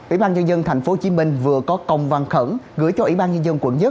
ủy ban nhân dân tp hcm vừa có công văn khẩn gửi cho ủy ban nhân dân quận một